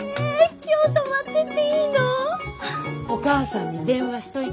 今日泊まってっていいって！